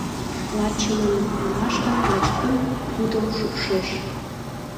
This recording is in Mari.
Лачымын ойлаш гын, лач кум пудым шупшеш.